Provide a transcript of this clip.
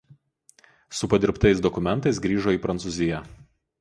Su padirbtais dokumentais grįžo į Prancūziją.